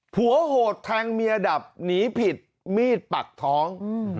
โหดแทงเมียดับหนีผิดมีดปักท้อง